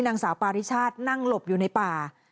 นางสาวปาริชาตินั่งหลบอยู่ในป่า